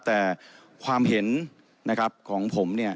แต่ความเห็นของผม